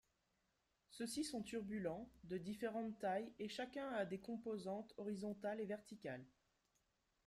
Ceux-ci sont turbulents, de différentes tailles et chacun a des composantes horizontales et verticales.